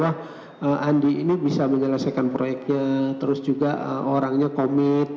ah andi ini bisa menyelesaikan proyeknya terus juga orangnya komit